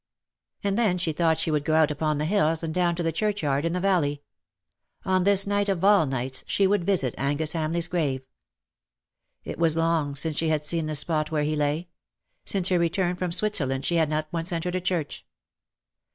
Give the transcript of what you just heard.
And then she thought she would go out upon the hills, and down to the churchyard in the valley. On this night, of all nights, she would visit Angus Hamleigh^s grave. It was long since she had seen the spot where he lay — since her return from Switzerland she had not once entered a church.